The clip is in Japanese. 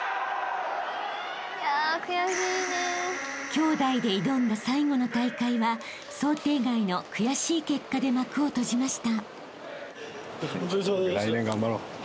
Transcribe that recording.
［兄弟で挑んだ最後の大会は想定外の悔しい結果で幕を閉じました］